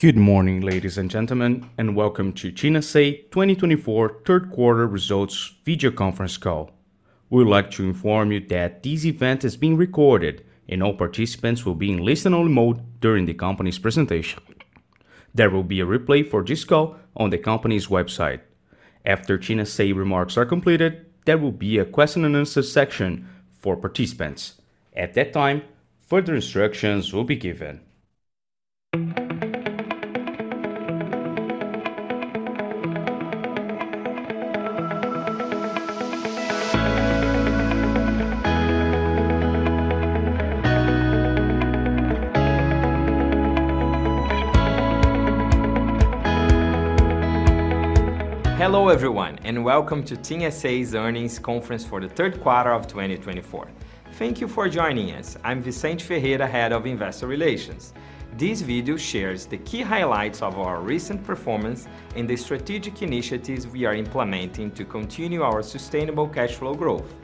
Good morning, ladies and gentlemen, and welcome to TIM S.A. 2024 Third Quarter Results Video Conference Call. We would like to inform you that this event is being recorded and all participants will be in listen-only mode during the company's presentation. There will be a replay for this call on the company's website. After TIM S.A remarks are completed, there will be a question-and-answer section for participants. At that time, further instructions will be given. Hello everyone, and welcome to TIM S.A.'s Earnings Conference for the Third Quarter of 2024. Thank you for joining us. I'm Vicente Ferreira, Head of Investor Relations. This video shares the key highlights of our recent performance and the strategic initiatives we are implementing to continue our sustainable cash flow growth.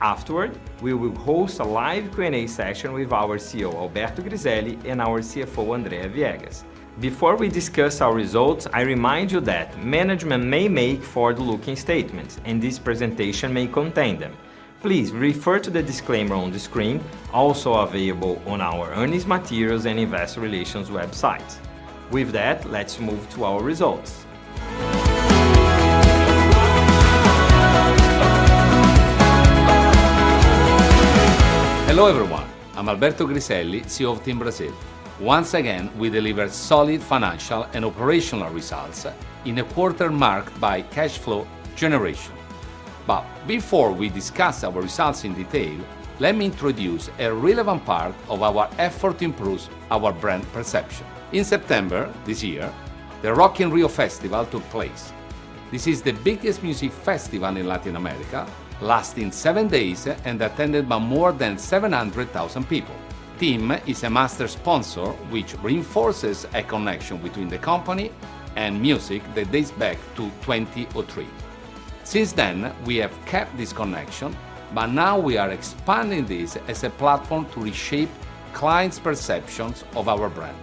Afterward, we will host a live Q&A session with our CEO, Alberto Griselli, and our CFO, Andrea Viegas. Before we discuss our results, I remind you that management may make forward-looking statements, and this presentation may contain them. Please refer to the disclaimer on the screen, also available on our earnings materials and investor relations websites. With that, let's move to our results. Hello everyone, I'm Alberto Griselli, CEO of TIM Brazil. Once again, we deliver solid financial and operational results in a quarter marked by cash flow generation. But before we discuss our results in detail, let me introduce a relevant part of our effort to improve our brand perception. In September this year, the Rock in Rio Festival took place. This is the biggest music festival in Latin America, lasting seven days and attended by more than 700,000 people. TIM is a master sponsor, which reinforces a connection between the company and music that dates back to 2003. Since then, we have kept this connection, but now we are expanding this as a platform to reshape clients' perceptions of our brand.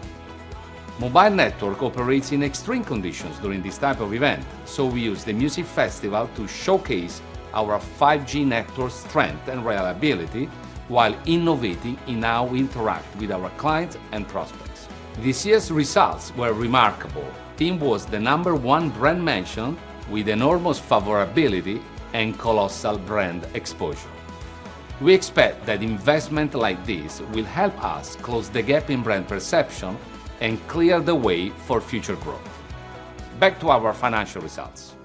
Mobile network operates in extreme conditions during this type of event, so we use the music festival to showcase our 5G network strength and reliability while innovating in how we interact with our clients and prospects. This year's results were remarkable. TIM was the number one brand mentioned with enormous favorability and colossal brand exposure. We expect that investment like this will help us close the gap in brand perception and clear the way for future growth. Back to our financial results.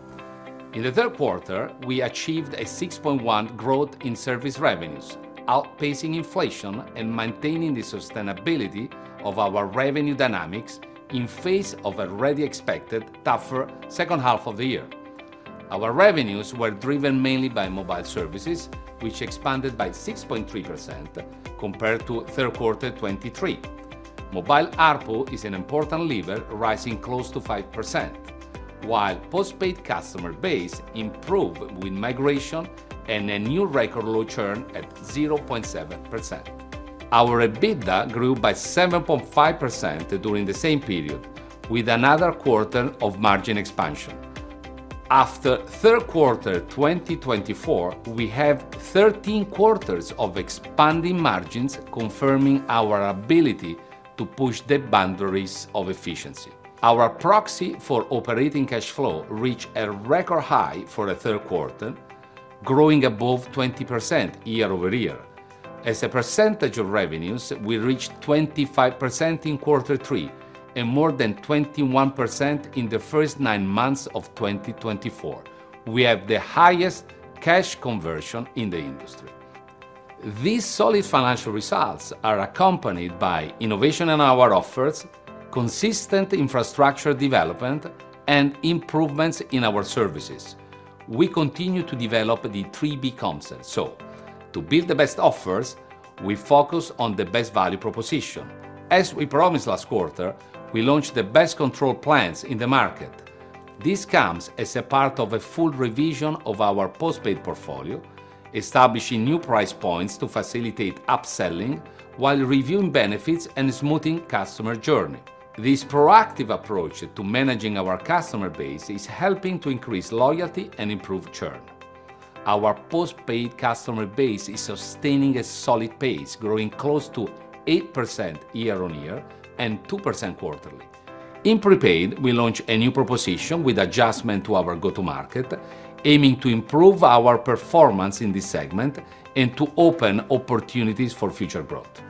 In the third quarter, we achieved a 6.1% growth in service revenues, outpacing inflation and maintaining the sustainability of our revenue dynamics in face of a rarely expected tougher second half of the year. Our revenues were driven mainly by mobile services, which expanded by 6.3% compared to third quarter 2023. Mobile ARPU is an important lever, rising close to 5%, while postpaid customer base improved with migration and a new record low churn at 0.7%. Our EBITDA grew by 7.5% during the same period, with another quarter of margin expansion. After third quarter 2024, we have 13 quarters of expanding margins, confirming our ability to push the boundaries of efficiency. Our proxy for operating cash flow reached a record high for the third quarter, growing above 20% year-over-year. As a percentage of revenues, we reached 25% in quarter three and more than 21% in the first nine months of 2024. We have the highest cash conversion in the industry. These solid financial results are accompanied by innovation in our offers, consistent infrastructure development, and improvements in our services. We continue to develop the 3B Concept. So, to build the best offers, we focus on the best value proposition. As we promised last quarter, we launched the best Control Plans in the market. This comes as a part of a full revision of our Postpaid portfolio, establishing new price points to facilitate upselling while reviewing benefits and smoothing customer journey. This proactive approach to managing our customer base is helping to increase loyalty and improve churn. Our Postpaid customer base is sustaining a solid pace, growing close to 8% year-on-year and 2% quarterly. In Prepaid, we launched a new proposition with adjustment to our go-to-market, aiming to improve our performance in this segment and to open opportunities for future growth.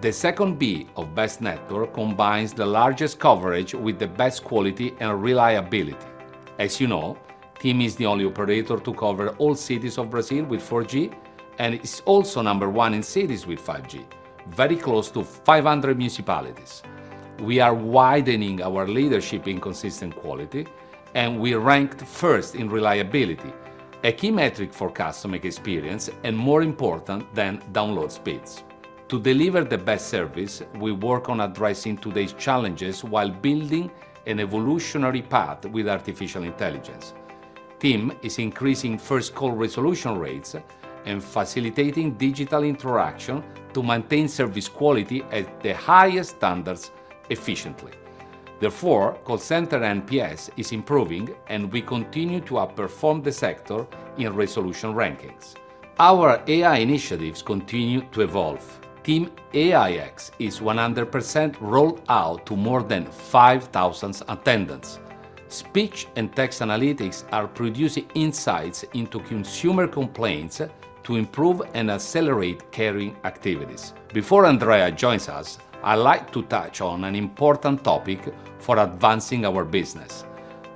The second B of Best Network combines the largest coverage with the best quality and reliability. As you know, TIM is the only operator to cover all cities of Brazil with 4G, and it's also number one in cities with 5G, very close to 500 municipalities. We are widening our leadership in consistent quality, and we ranked first in reliability, a key metric for customer experience and more important than download speeds. To deliver the best service, we work on addressing today's challenges while building an evolutionary path with artificial intelligence. TIM is increasing first call resolution rates and facilitating digital interaction to maintain service quality at the highest standards efficiently. Therefore, call center NPS is improving, and we continue to outperform the sector in resolution rankings. Our AI initiatives continue to evolve. TIM AIX is 100% rolled out to more than 5,000 attendants. Speech and text analytics are producing insights into consumer complaints to improve and accelerate caring activities. Before Andrea joins us, I'd like to touch on an important topic for advancing our business.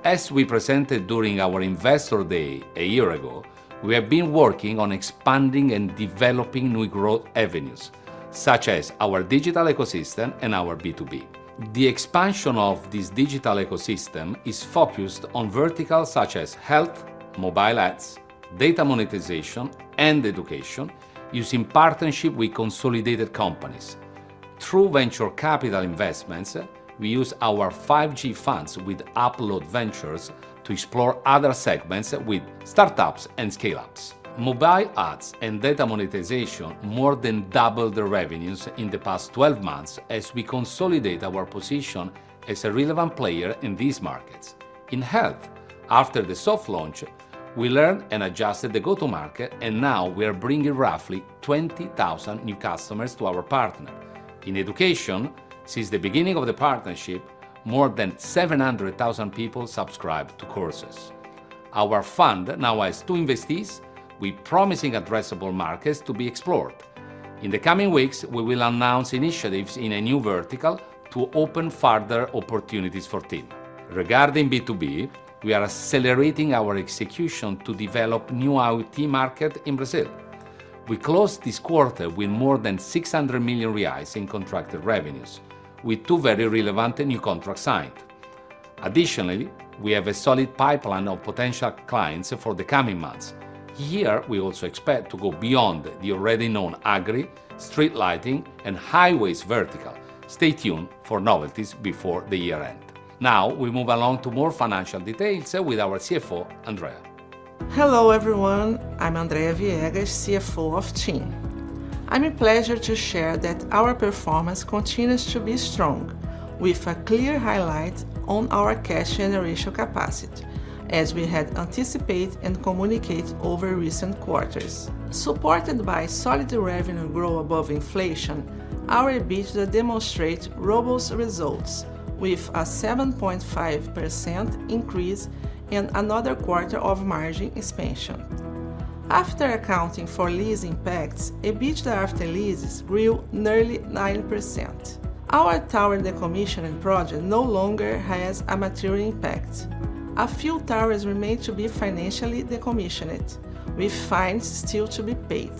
As we presented during our Investor Day a year ago, we have been working on expanding and developing new growth avenues, such as our digital ecosystem and our B2B. The expansion of this digital ecosystem is focused on verticals such as health, mobile ads, data monetization, and education, using partnerships with consolidated companies. Through venture capital investments, we use our 5G funds with Upload Ventures to explore other segments with startups and scale-ups. Mobile ads and data monetization more than doubled the revenues in the past 12 months as we consolidate our position as a relevant player in these markets. In health, after the soft launch, we learned and adjusted the go-to-market, and now we are bringing roughly 20,000 new customers to our partner. In education, since the beginning of the partnership, more than 700,000 people subscribed to courses. Our fund now has two investees with promising addressable markets to be explored. In the coming weeks, we will announce initiatives in a new vertical to open further opportunities for TIM. Regarding B2B, we are accelerating our execution to develop a new IoT market in Brazil. We closed this quarter with more than 600 million reais in contracted revenues, with two very relevant new contracts signed. Additionally, we have a solid pipeline of potential clients for the coming months. Here, we also expect to go beyond the already known agri, street lighting, and highways vertical. Stay tuned for novelties before the year end. Now we move along to more financial details with our CFO, Andrea. Hello everyone, I'm Andrea Viegas, CFO of TIM. I'm pleased to share that our performance continues to be strong, with a clear highlight on our cash generation capacity, as we had anticipated and communicated over recent quarters. Supported by solid revenue growth above inflation, our EBITDA demonstrates robust results, with a 7.5% increase and another quarter of margin expansion. After accounting for lease impacts, EBITDA after leases grew nearly 9%. Our tower decommissioning project no longer has a material impact. A few towers remain to be financially decommissioned, with fines still to be paid.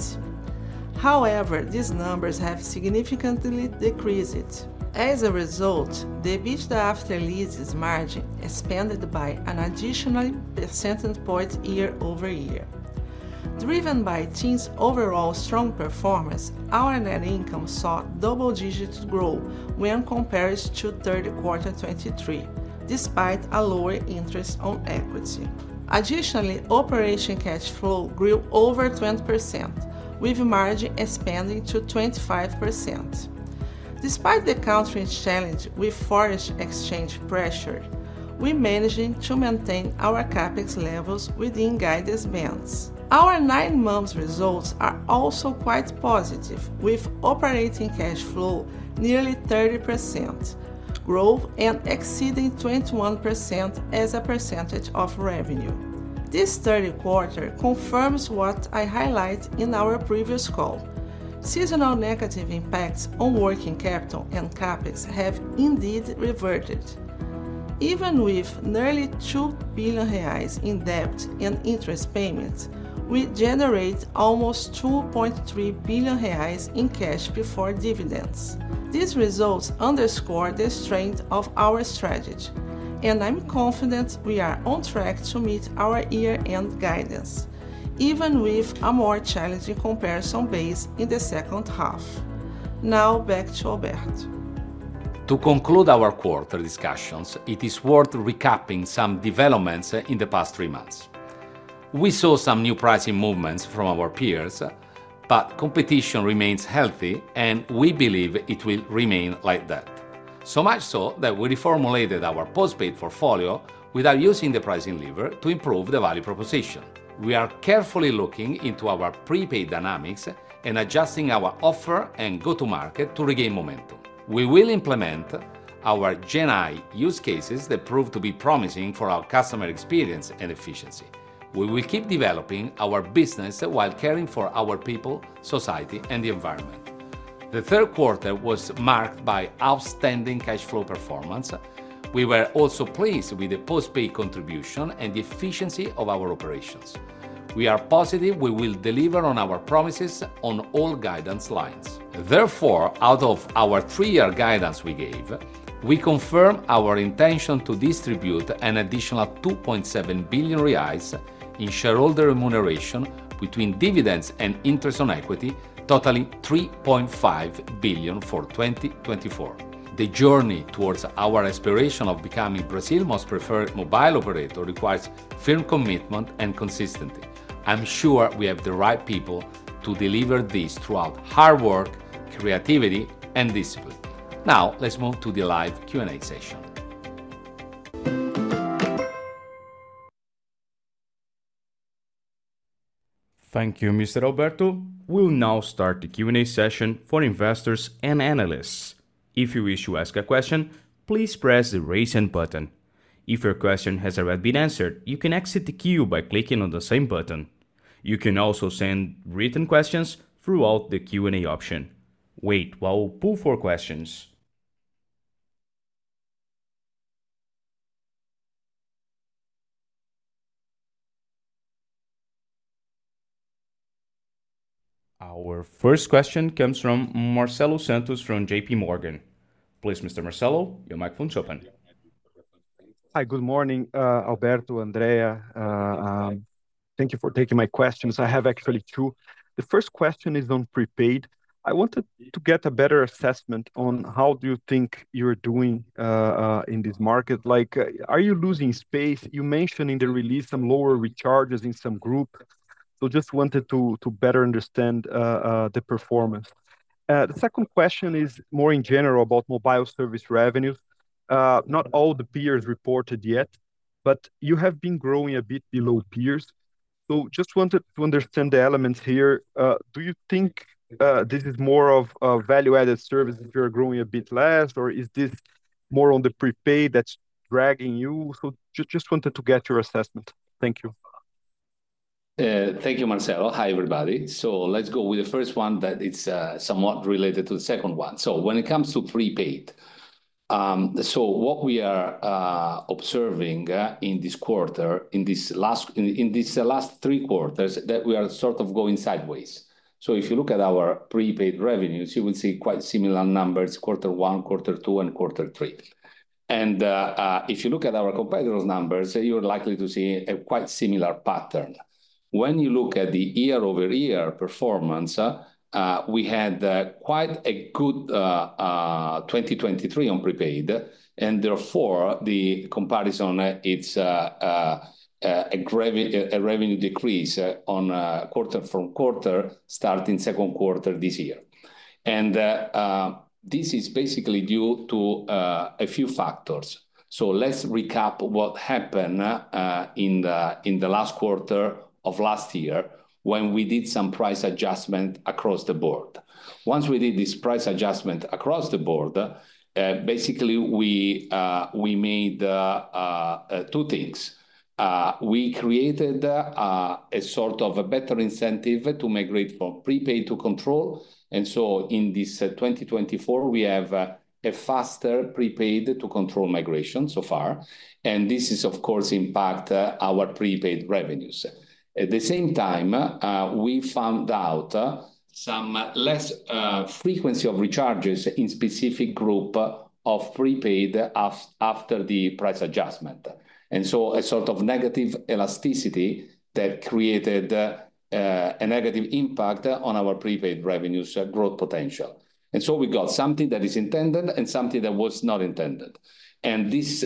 However, these numbers have significantly decreased. As a result, the EBITDA after leases margin expanded by an additional percentage point year-over-year. Driven by TIM's overall strong performance, our net income saw double-digit growth when compared to third quarter 2023, despite a lower interest on equity. Additionally, operating cash flow grew over 20%, with margin expanding to 25%. Despite the country's challenge with foreign exchange pressure, we managed to maintain our CapEx levels within guidance bands. Our nine months' results are also quite positive, with operating cash flow nearly 30%, growth exceeding 21% as a percentage of revenue. This third quarter confirms what I highlighted in our previous call. Seasonal negative impacts on working capital and CapEx have indeed reverted. Even with nearly 2 billion reais in debt and interest payments, we generated almost 2.3 billion reais in cash before dividends. These results underscore the strength of our strategy, and I'm confident we are on track to meet our year-end guidance, even with a more challenging comparison base in the second half. Now, back to Alberto. To conclude our quarter discussions, it is worth recapping some developments in the past three months. We saw some new pricing movements from our peers, but competition remains healthy, and we believe it will remain like that. So much so that we reformulated our postpaid portfolio without using the pricing lever to improve the value proposition. We are carefully looking into our prepaid dynamics and adjusting our offer and go-to-market to regain momentum. We will implement our Gen AI use cases that prove to be promising for our customer experience and efficiency. We will keep developing our business while caring for our people, society, and the environment. The third quarter was marked by outstanding cash flow performance. We were also pleased with the postpaid contribution and the efficiency of our operations. We are positive we will deliver on our promises on all guidance lines. Therefore, out of our three-year guidance we gave, we confirm our intention to distribute an additional 2.7 billion reais in shareholder remuneration between dividends and interest on equity, totaling 3.5 billion for 2024. The journey towards our aspiration of becoming Brazil's most preferred mobile operator requires firm commitment and consistency. I'm sure we have the right people to deliver this throughout hard work, creativity, and discipline. Now, let's move to the live Q&A session. Thank you, Mr. Alberto. We'll now start the Q&A session for investors and analysts. If you wish to ask a question, please press the raise-hand button. If your question has already been answered, you can exit the queue by clicking on the same button. You can also send written questions throughout the Q&A option. Wait while we poll for questions. Our first question comes from Marcelo Santos from JP Morgan. Please, Mr. Marcelo, your microphone is open. Hi, good morning, Alberto, Andrea. Thank you for taking my questions. I have actually two. The first question is on prepaid. I wanted to get a better assessment on how do you think you're doing in this market. Like, are you losing space? You mentioned in the release some lower recharges in some groups. So just wanted to better understand the performance. The second question is more in general about mobile service revenues. Not all the peers reported yet, but you have been growing a bit below peers. So just wanted to understand the elements here. Do you think this is more of a value-added service if you're growing a bit less, or is this more on the prepaid that's dragging you? So just wanted to get your assessment. Thank you. Thank you, Marcelo. Hi, everybody. So let's go with the first one that is somewhat related to the second one. So when it comes to prepaid, so what we are observing in this quarter, in these last three quarters, that we are sort of going sideways. So if you look at our prepaid revenues, you will see quite similar numbers, quarter one, quarter two, and quarter three. And if you look at our competitors' numbers, you're likely to see a quite similar pattern. When you look at the year-over-year performance, we had quite a good 2023 on prepaid, and therefore the comparison, it's a revenue decrease from quarter starting second quarter this year. And this is basically due to a few factors. So let's recap what happened in the last quarter of last year when we did some price adjustment across the board. Once we did this price adjustment across the board, basically we made two things. We created a sort of a better incentive to migrate from prepaid to control, and so in this 2024, we have a faster prepaid to control migration so far. And this is, of course, impacting our prepaid revenues. At the same time, we found out some less frequency of recharges in specific groups of prepaid after the price adjustment, and so a sort of negative elasticity that created a negative impact on our prepaid revenues' growth potential. And so we got something that is intended and something that was not intended, and this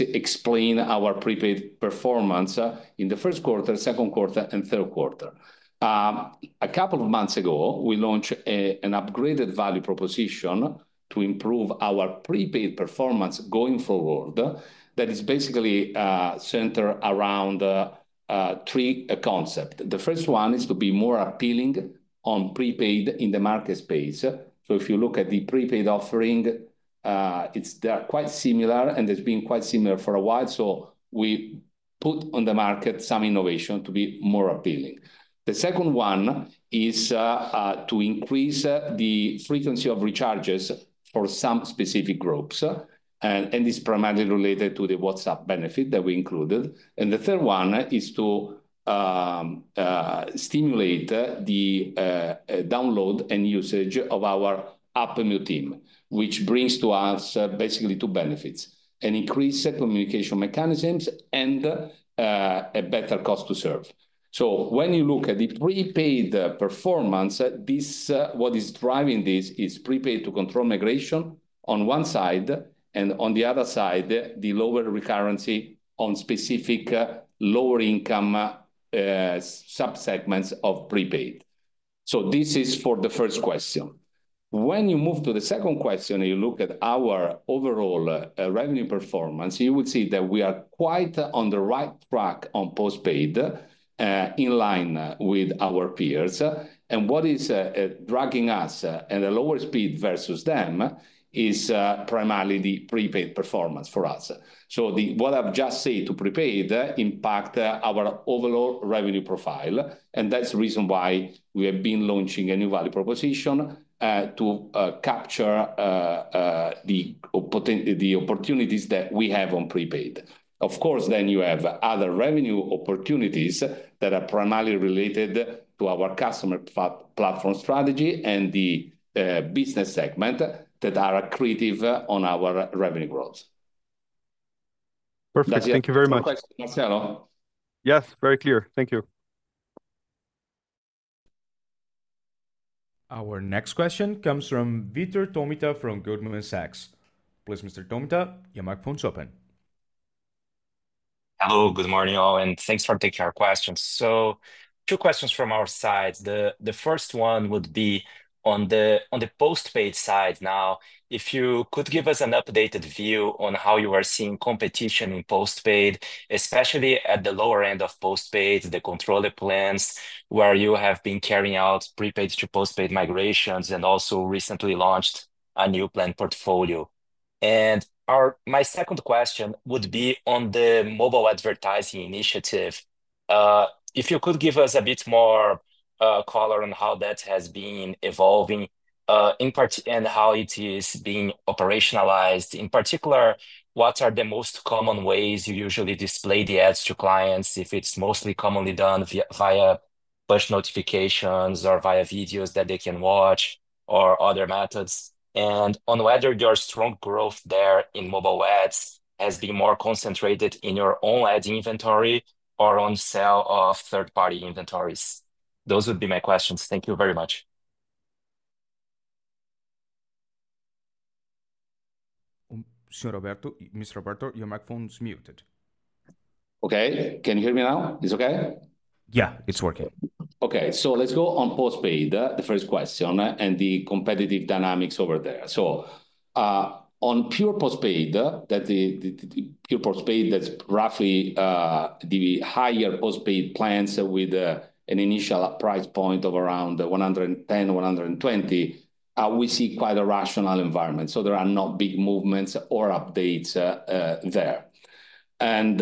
explains our prepaid performance in the first quarter, second quarter, and third quarter. A couple of months ago, we launched an upgraded value proposition to improve our prepaid performance going forward that is basically centered around three concepts. The first one is to be more appealing on prepaid in the market space, so if you look at the prepaid offering, they're quite similar and they've been quite similar for a while, so we put on the market some innovation to be more appealing. The second one is to increase the frequency of recharges for some specific groups, and this is primarily related to the WhatsApp benefit that we included. And the third one is to stimulate the download and usage of our app and Meu TIM, which brings to us basically two benefits: an increased communication mechanisms and a better cost to serve. So when you look at the prepaid performance, what is driving this is prepaid to control migration on one side and on the other side, the lower recurrency on specific lower income subsegments of prepaid. So this is for the first question. When you move to the second question and you look at our overall revenue performance, you will see that we are quite on the right track on postpaid in line with our peers. And what is dragging us and the lower speed versus them is primarily the prepaid performance for us. So what I've just said to prepaid impacts our overall revenue profile. And that's the reason why we have been launching a new value proposition to capture the opportunities that we have on prepaid. Of course, then you have other revenue opportunities that are primarily related to our customer platform strategy and the business segment that are creative on our revenue growth. Perfect. Thank you very much. Marcelo. Yes, very clear. Thank you. Our next question comes from Vitor Tomita from Goldman Sachs. Please, Mr. Tomita, your microphone is open. Hello, good morning all, and thanks for taking our questions. Two questions from our side. The first one would be on the postpaid side now. If you could give us an updated view on how you are seeing competition in postpaid, especially at the lower end of postpaid, the control plans where you have been carrying out prepaid to postpaid migrations and also recently launched a new plan portfolio. My second question would be on the mobile advertising initiative. If you could give us a bit more color on how that has been evolving and how it is being operationalized. In particular, what are the most common ways you usually display the ads to clients if it's mostly commonly done via push notifications or via videos that they can watch or other methods? On whether your strong growth there in mobile ads has been more concentrated in your own ad inventory or on sale of third-party inventories? Those would be my questions. Thank you very much. Mr. Alberto, your microphone is muted. Okay. Can you hear me now? It's okay? Yeah, it's working. Okay. So let's go on postpaid, the first question, and the competitive dynamics over there. So on pure postpaid, that's roughly the higher postpaid plans with an initial price point of around 110-120. We see quite a rational environment. So there are no big movements or updates there. And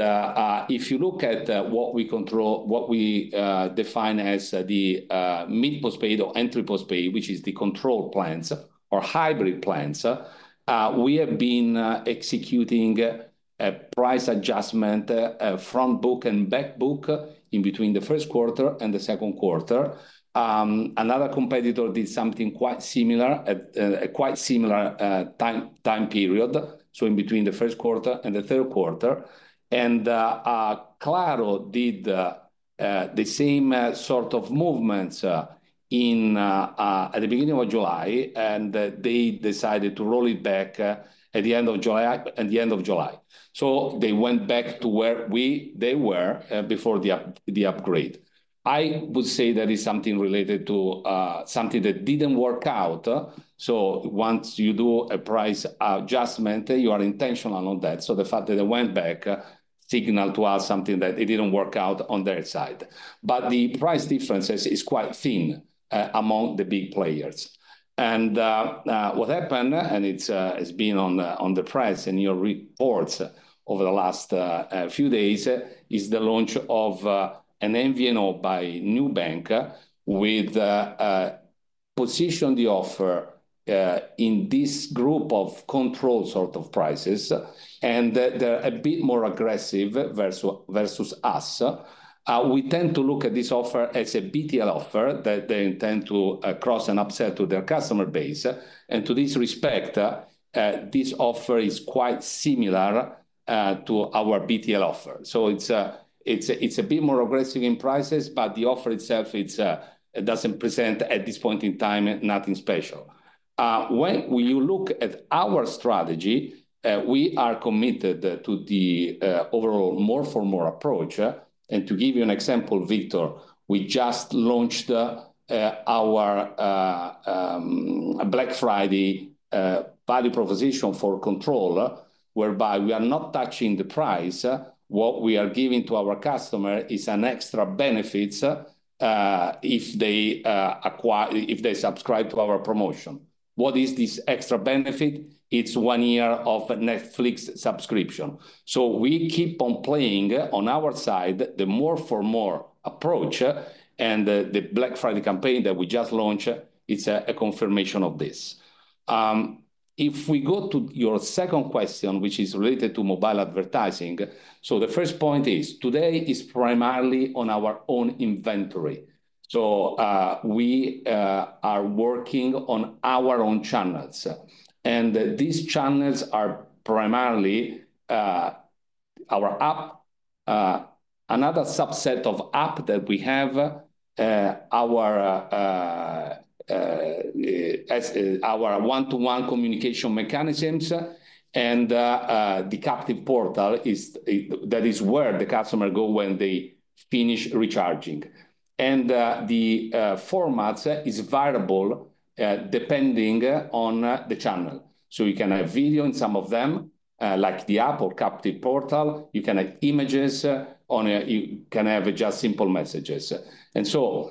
if you look at what we call, what we define as the mid-postpaid or entry postpaid, which is the control plans or hybrid plans, we have been executing a price adjustment front book and back book in between the first quarter and the second quarter. Another competitor did something quite similar at a quite similar time period, so in between the first quarter and the third quarter. And Claro did the same sort of movements at the beginning of July, and they decided to roll it back at the end of July, at the end of July. So they went back to where they were before the upgrade. I would say that is something related to something that didn't work out. So once you do a price adjustment, you are intentional on that. So the fact that they went back signaled to us something that it didn't work out on their side. But the price difference is quite thin among the big players. And what happened, and it's been on the press and your reports over the last few days, is the launch of an MVNO by Nubank which positions the offer in this group of control sort of prices. And they're a bit more aggressive versus us. We tend to look at this offer as a BTL offer that they intend to cross and upsell to their customer base. And in this respect, this offer is quite similar to our BTL offer. So it's a bit more aggressive in prices, but the offer itself doesn't present at this point in time nothing special. When you look at our strategy, we are committed to the overall more-for-more approach. And to give you an example, Vitor, we just launched our Black Friday value proposition for control, whereby we are not touching the price. What we are giving to our customer is an extra benefit if they subscribe to our promotion. What is this extra benefit? It's one year of Netflix subscription. So we keep on playing on our side the more-for-more approach. And the Black Friday campaign that we just launched, it's a confirmation of this. If we go to your second question, which is related to mobile advertising, so the first point is today is primarily on our own inventory. So we are working on our own channels. And these channels are primarily our app, another subset of app that we have, our one-to-one communication mechanisms, and the captive portal that is where the customer goes when they finish recharging. And the format is variable depending on the channel. So you can have video in some of them, like the app or captive portal. You can have images. You can have just simple messages. And so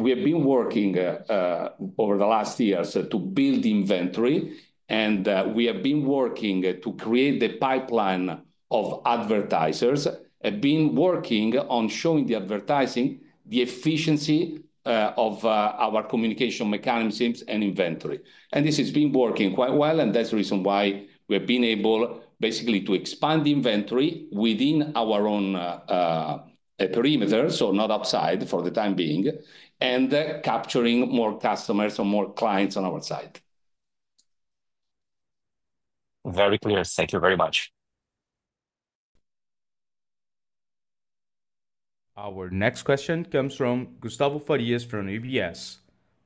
we have been working over the last years to build inventory. And we have been working to create the pipeline of advertisers and been working on showing the advertising the efficiency of our communication mechanisms and inventory. And this has been working quite well. And that's the reason why we have been able basically to expand the inventory within our own perimeter, so not outside for the time being, and capturing more customers or more clients on our side. Very clear. Thank you very much. Our next question comes from Gustavo Farias from UBS.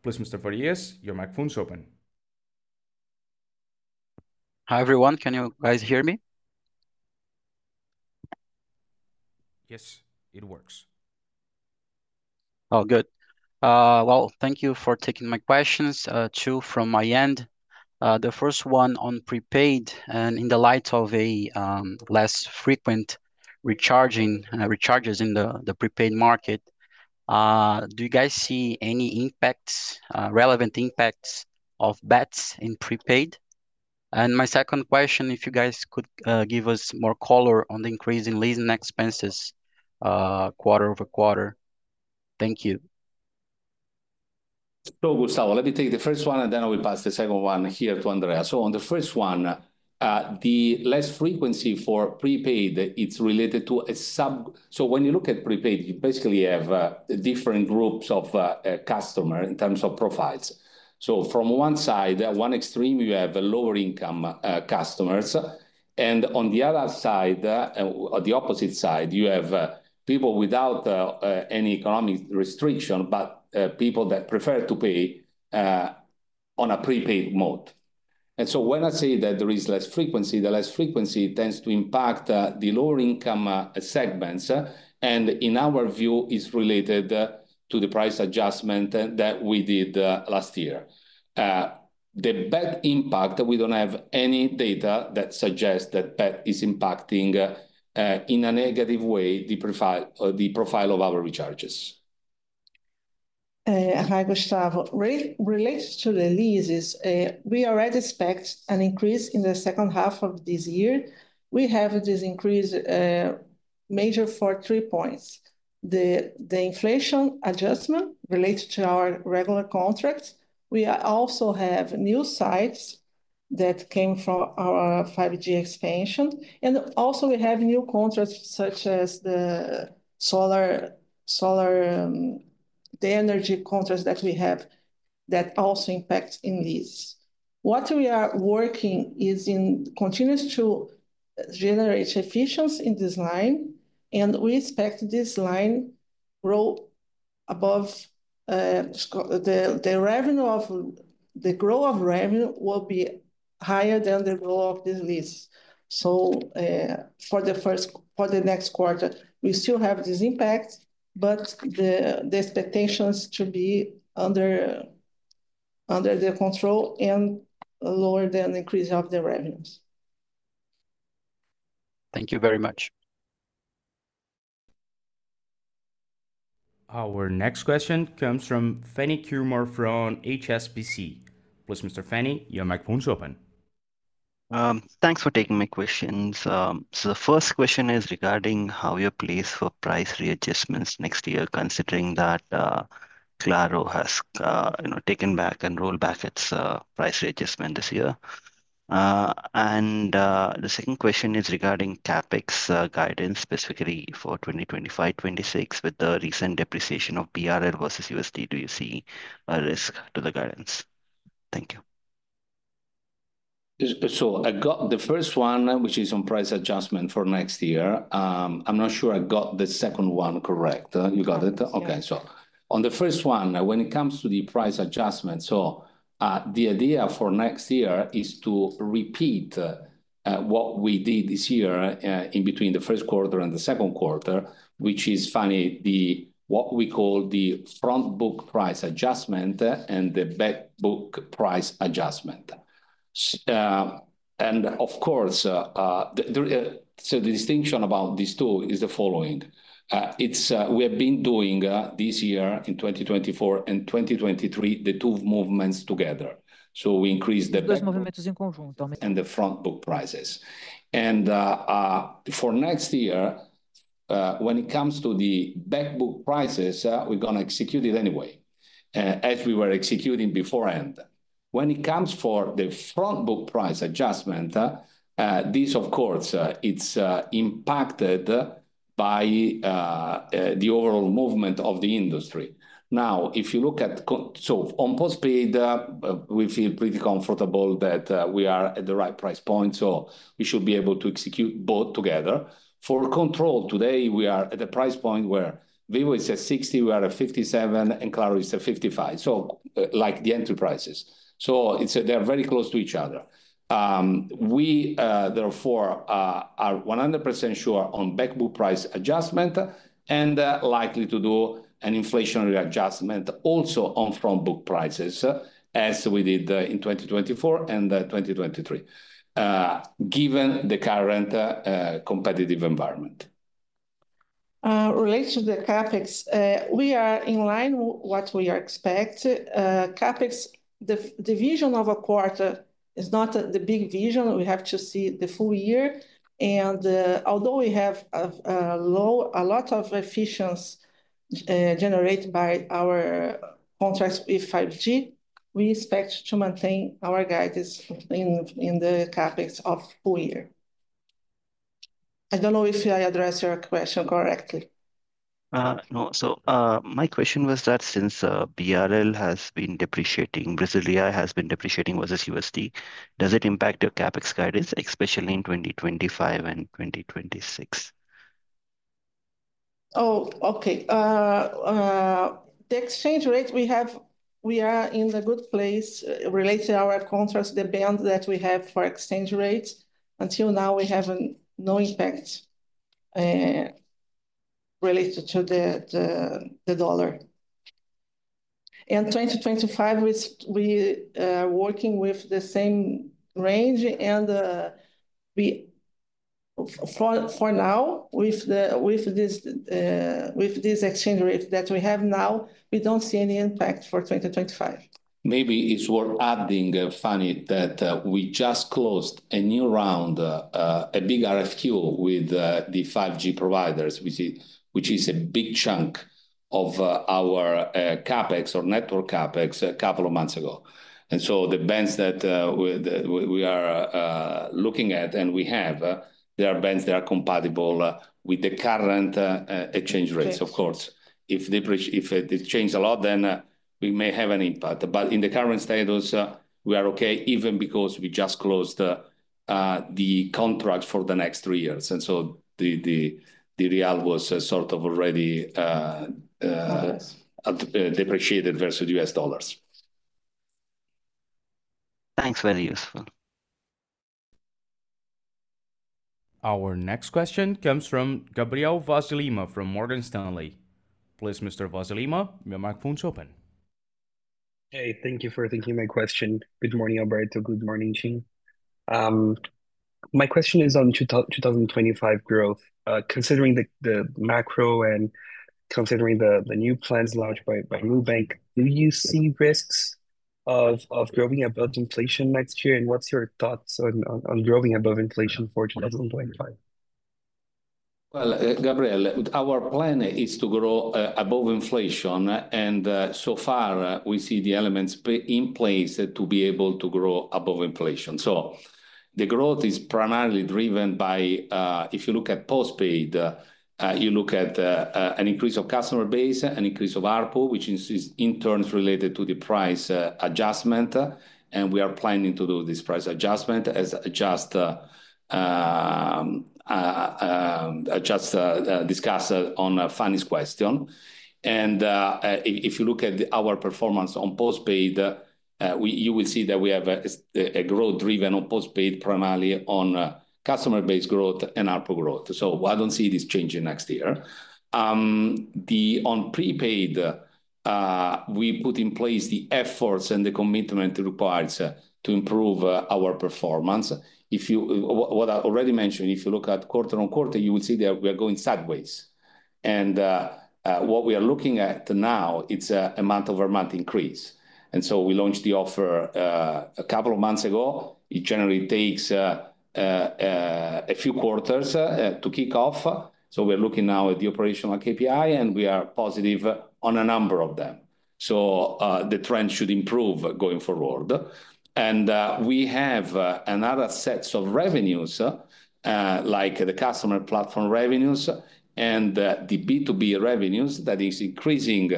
Please, Mr. Farias, your microphone is open. Hi, everyone. Can you guys hear me? Yes, it works. Oh, good. Well, thank you for taking my questions, too, from my end. The first one on prepaid and in the light of less frequent recharges in the prepaid market, do you guys see any impacts, relevant impacts of bets in prepaid? And my second question, if you guys could give us more color on the increase in leasing expenses quarter over quarter? Thank you. Gustavo, let me take the first one, and then I will pass the second one here to Andrea. On the first one, the less frequency for prepaid, it's related to a sub. When you look at prepaid, you basically have different groups of customers in terms of profiles. From one side, one extreme, you have lower-income customers. On the other side, on the opposite side, you have people without any economic restriction, but people that prefer to pay on a prepaid mode. When I say that there is less frequency, the less frequency tends to impact the lower-income segments. In our view, it's related to the price adjustment that we did last year. The bets impact, we don't have any data that suggests that bets is impacting in a negative way the profile of our recharges. Hi, Gustavo. Related to the leases, we already expect an increase in the second half of this year. We have this increase mainly for three points. The inflation adjustment related to our regular contracts. We also have new sites that came from our 5G expansion. And also, we have new contracts such as the solar energy contracts that we have that also impact the leases. What we are working on is to continue to generate efficiency in this line. And we expect this line growth above the revenue growth. The growth of revenue will be higher than the growth of these leases. So for the next quarter, we still have these impacts, but the expectation is to be under control and lower than the increase of the revenues. Thank you very much. Our next question comes from Phani Kanumuri from HSBC. Please, Mr. Phani, your microphone is open. Thanks for taking my questions. The first question is regarding how you're pleased for price readjustments next year, considering that Claro has taken back and rolled back its price readjustment this year, and the second question is regarding CapEx guidance, specifically for 2025-26, with the recent depreciation of BRL versus USD. Do you see a risk to the guidance? Thank you. So I got the first one, which is on price adjustment for next year. I'm not sure I got the second one correct. You got it? Okay. So on the first one, when it comes to the price adjustment, so the idea for next year is to repeat what we did this year in between the first quarter and the second quarter, which is, Phani, what we call the Front Book price adjustment and the Back Book price adjustment. And of course, so the distinction about these two is the following. We have been doing this year in 2024 and 2023, the two movements together. So we increased the. The Front Book prices. For next year, when it comes to the back book prices, we're going to execute it anyway, as we were executing beforehand. When it comes to the front book price adjustment, this, of course, it's impacted by the overall movement of the industry. Now, if you look at, so on postpaid, we feel pretty comfortable that we are at the right price point. So we should be able to execute both together. For control, today, we are at a price point where Vivo is at 60, we are at 57, and Claro is at 55, so like the entry prices. So they're very close to each other. We, therefore, are 100% sure on back book price adjustment and likely to do an inflationary adjustment also on front book prices, as we did in 2024 and 2023, given the current competitive environment. Related to the CapEx, we are in line with what we expect. CapEx, the vision of a quarter is not the big vision. We have to see the full year, and although we have a lot of efficiency generated by our contracts with 5G, we expect to maintain our guidance in the CapEx of full year. I don't know if I addressed your question correctly. No, so my question was that since BRL has been depreciating, BRL has been depreciating versus USD, does it impact your CapEx guidance, especially in 2025 and 2026? Oh, okay. The exchange rate, we are in a good place related to our contracts, the band that we have for exchange rates. Until now, we have no impact related to the dollar, and 2025, we are working with the same range, and for now, with this exchange rate that we have now, we don't see any impact for 2025. Maybe it's worth adding, Phani, that we just closed a new round, a big RFQ with the 5G providers, which is a big chunk of our CapEx or network CapEx a couple of months ago. And so the bands that we are looking at and we have, there are bands that are compatible with the current exchange rates. Of course, if they change a lot, then we may have an impact. But in the current status, we are okay even because we just closed the contract for the next three years. And so the real was sort of already depreciated versus U.S. dollars. Thanks. Very useful. Our next question comes from Gabriel Vaz de Lima from Morgan Stanley. Please, Mr. Lima, your microphone is open. Hey, thank you for taking my question. Good morning, Alberto. Good morning, Andrea. My question is on 2025 growth. Considering the macro and considering the new plans launched by Nubank, do you see risks of growing above inflation next year? And what's your thoughts on growing above inflation for 2025? Gabriel, our plan is to grow above inflation. We see the elements in place to be able to grow above inflation. The growth is primarily driven by, if you look at postpaid, you look at an increase of customer base, an increase of ARPU, which is in turn related to the price adjustment. We are planning to do this price adjustment as discussed on Phani's question. If you look at our performance on postpaid, you will see that we have a growth driven on postpaid primarily on customer-based growth and ARPU growth. I don't see this changing next year. On prepaid, we put in place the efforts and the commitment required to improve our performance. What I already mentioned, if you look at quarter on quarter, you will see that we are going sideways. And what we are looking at now, it's a month-over-month increase. And so we launched the offer a couple of months ago. It generally takes a few quarters to kick off. So we're looking now at the operational KPI, and we are positive on a number of them. So the trend should improve going forward. And we have another set of revenues, like the customer platform revenues and the B2B revenues that is increasing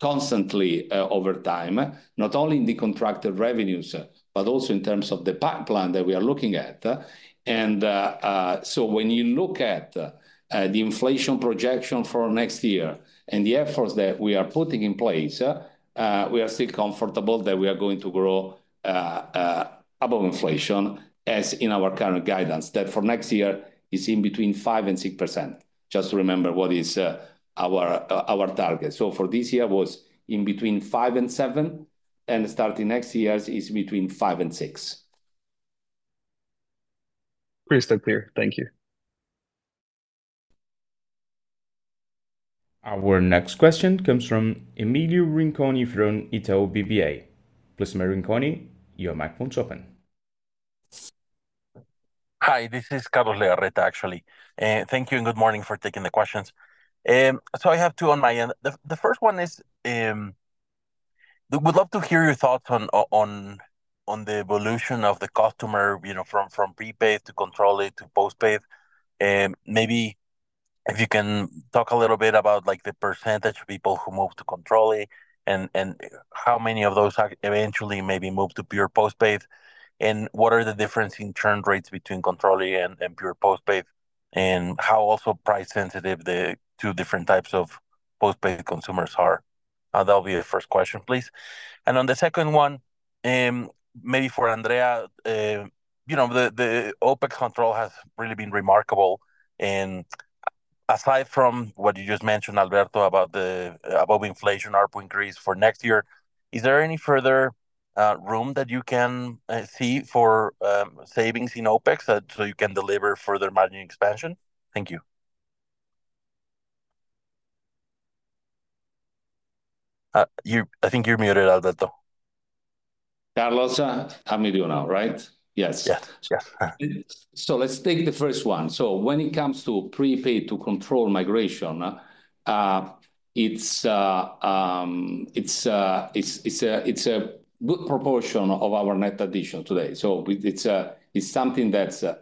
constantly over time, not only in the contracted revenues, but also in terms of the pipeline that we are looking at. And so when you look at the inflation projection for next year and the efforts that we are putting in place, we are still comfortable that we are going to grow above inflation, as in our current guidance, that for next year is in between 5% and 6%. Just to remember what is our target. For this year, it was in between 5% and 7%. Starting next year, it's between 5% and 6%. Crystal clear. Thank you. Our next question comes from Emilio Rinconi from Itaú BBA. Please, Mr. Rinconi, your microphone is open. Hi, this is Carlos de Legarreta, actually. Thank you and good morning for taking the questions. So I have two on my end. The first one is, we'd love to hear your thoughts on the evolution of the customer from prepaid to Controle to postpaid. Maybe if you can talk a little bit about the percentage of people who move to Controle and how many of those eventually maybe move to pure postpaid. And what are the differences in churn rates between Controle and pure postpaid? And how also price-sensitive the two different types of postpaid consumers are? That'll be the first question, please. And on the second one, maybe for Andrea, the OPEX control has really been remarkable. Aside from what you just mentioned, Alberto, about the above inflation ARPU increase for next year, is there any further room that you can see for savings in OPEX so you can deliver further margin expansion? Thank you. I think you're muted, Alberto, though. Carlos, I'm with you now, right? Yes. Yes. Let's take the first one. When it comes to prepaid to control migration, it's a good proportion of our net addition today. It's something that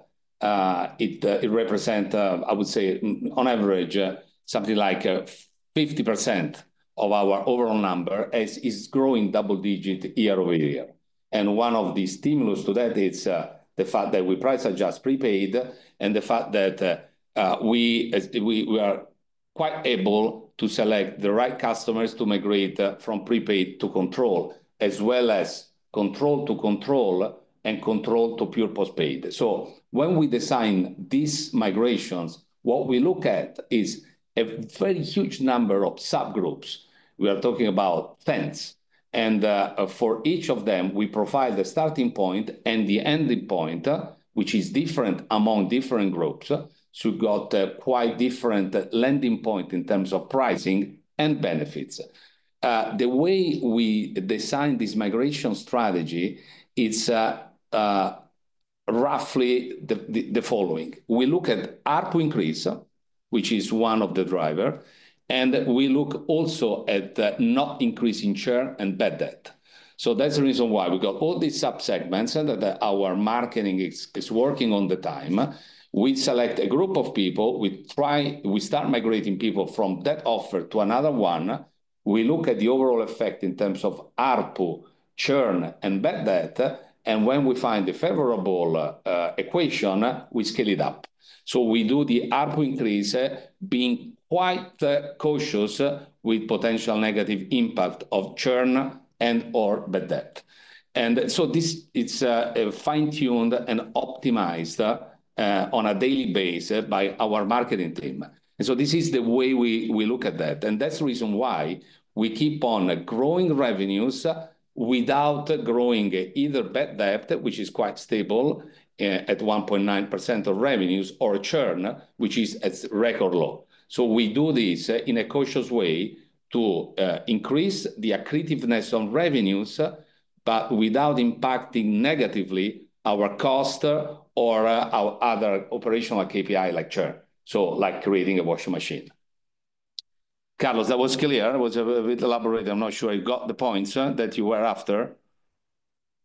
represents, I would say, on average, something like 50% of our overall number, which is growing double-digit year-over-year. One of the stimuli to that is the fact that we price adjust prepaid and the fact that we are quite able to select the right customers to migrate from prepaid to control, as well as control to control and control to pure postpaid. When we design these migrations, what we look at is a very huge number of subgroups. We are talking about tens. For each of them, we provide the starting point and the ending point, which is different among different groups. We've got quite different landing points in terms of pricing and benefits. The way we design this migration strategy is roughly the following. We look at ARPU increase, which is one of the drivers, and we look also at not increasing churn and bad debt. That's the reason why we've got all these subsegments that our marketing is working on at a time. We select a group of people. We start migrating people from that offer to another one. We look at the overall effect in terms of ARPU, churn, and bad debt, and when we find a favorable equation, we scale it up. We do the ARPU increase being quite cautious with potential negative impact of churn and/or bad debt, and so this is fine-tuned and optimized on a daily basis by our marketing team. This is the way we look at that. That's the reason why we keep on growing revenues without growing either bad debt, which is quite stable at 1.9% of revenues, or churn, which is at record low. We do this in a cautious way to increase the accretiveness on revenues, but without impacting negatively our cost or our other operational KPI like churn, so like creating a washing machine. Carlos, that was clear. That was a bit elaborate. I'm not sure I got the points that you were after.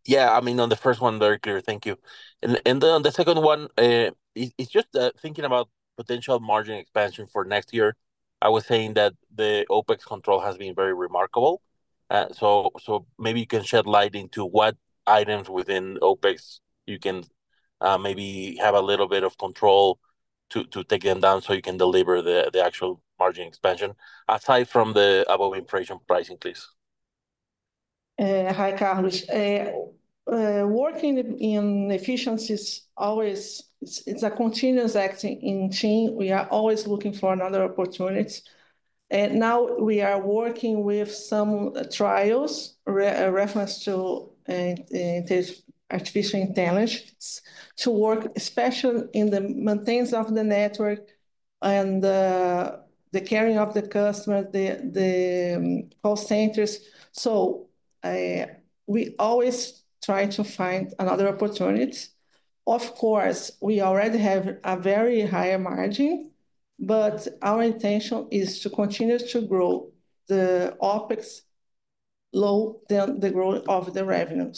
Yeah, I mean, on the first one, very clear. Thank you. And on the second one, it's just thinking about potential margin expansion for next year. I was saying that the OPEX control has been very remarkable. So maybe you can shed light into what items within OPEX you can maybe have a little bit of control to take them down so you can deliver the actual margin expansion, aside from the above inflation pricing, please. Hi, Carlos. Working in efficiency is always a continuous action chain. We are always looking for another opportunity. Now we are working with some trials reference to artificial intelligence to work, especially in the maintenance of the network and the caring of the customer, the call centers. We always try to find another opportunity. Of course, we already have a very high margin, but our intention is to continue to grow OPEX lower than the growth of the revenue.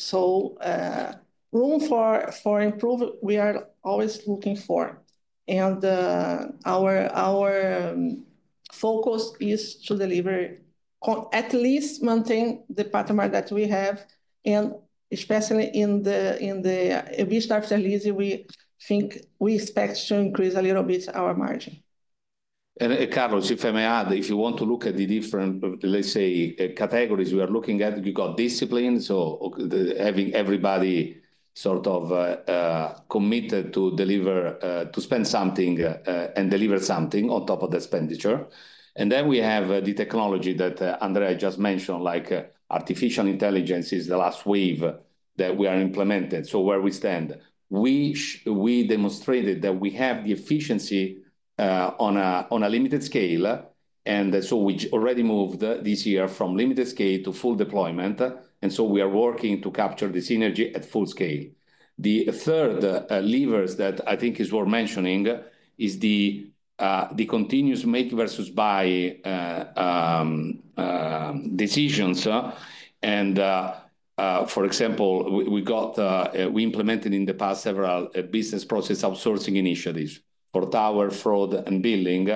Room for improvement, we are always looking for. Our focus is to deliver at least maintain the path that we have. Especially in the EBITDA, we think we expect to increase a little bit our margin. And Carlos, if I may add, if you want to look at the different, let's say, categories we are looking at, you've got discipline, so having everybody sort of committed to spend something and deliver something on top of the expenditure. And then we have the technology that Andrea just mentioned, like artificial intelligence is the last wave that we are implementing. So where we stand, we demonstrated that we have the efficiency on a limited scale. And so we already moved this year from limited scale to full deployment. And so we are working to capture the synergy at full scale. The third lever that I think is worth mentioning is the continuous make versus buy decisions. And for example, we implemented in the past several business process outsourcing initiatives for tower, fraud, and billing.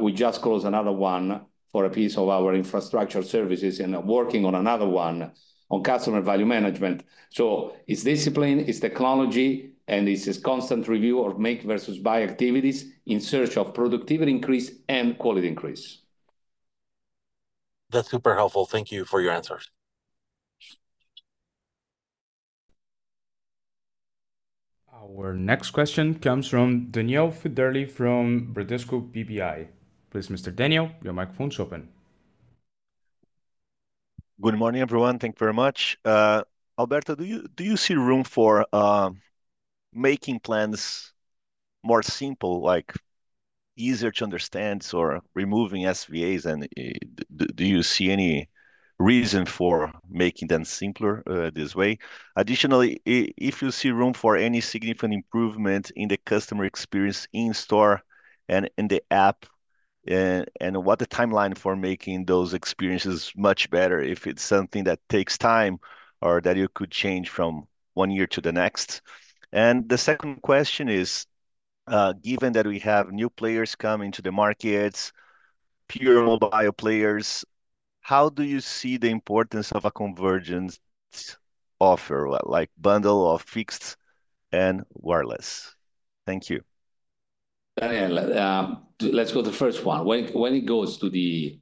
We just closed another one for a piece of our infrastructure services and are working on another one on customer value management. So it's discipline, it's technology, and it's a constant review of make versus buy activities in search of productivity increase and quality increase. That's super helpful. Thank you for your answers. Our next question comes from Daniel Federle from Bradesco BBI. Please, Mr. Daniel, your microphone is open. Good morning, everyone. Thank you very much. Alberto, do you see room for making plans more simple, like easier to understand or removing SVAs? And do you see any reason for making them simpler this way? Additionally, if you see room for any significant improvement in the customer experience in store and in the app, and what the timeline for making those experiences much better if it's something that takes time or that you could change from one year to the next? And the second question is, given that we have new players coming to the markets, pure mobile players, how do you see the importance of a convergence offer, like bundle or fixed and wireless? Thank you. Daniel, let's go to the first one. When it comes to the